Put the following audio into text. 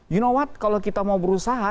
yo know what kalau kita mau berusaha